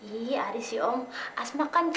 iya sih om asma kan